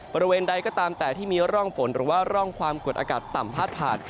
บริเวณใดก็ตามแต่ที่มีร่องฝนหรือว่าร่องความกดอากาศต่ำพาดผ่าน